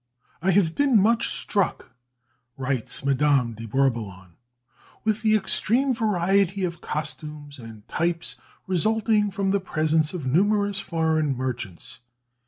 "I have been much struck," writes Madame de Bourboulon, "with the extreme variety of costumes and types resulting from the presence of numerous foreign merchants.